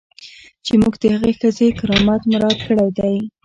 چې موږ د هغې ښځې کرامت مراعات کړی دی.